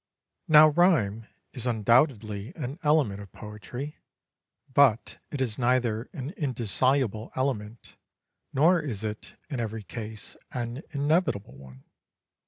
Now rhyme is undoubtedly an element of poetry, but it is neither an indissoluble element, nor is it, in every case, an inevitable one.